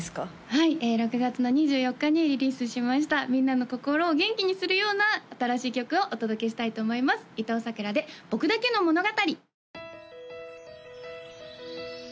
はい６月の２４日にリリースしましたみんなの心を元気にするような新しい曲をお届けしたいと思います伊藤さくらで「僕だけの物語」